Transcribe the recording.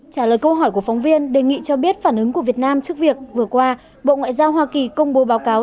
trả lời câu hỏi của phóng viên đề nghị cho biết phản ứng của việt nam trước việc vừa qua bộ ngoại giao hoa kỳ công bố báo cáo